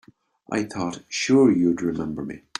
I thought sure you'd remember me.